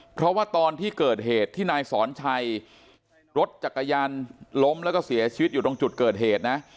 เพราะว่าตอนที่เกิดเหตุที่นายสอนชัยรถจักรยานล้มแล้วก็เสียชีวิตอยู่ตรงจุดเกิดเหตุนะ